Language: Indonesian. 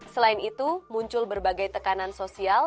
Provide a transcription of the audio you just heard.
selain itu muncul berbagai tekanan sosial